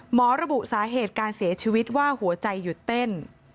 ระบุสาเหตุการเสียชีวิตว่าหัวใจหยุดเต้น